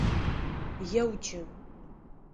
Еу, джы!